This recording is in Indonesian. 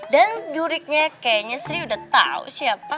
dan juriknya kayaknya sri udah tau siapa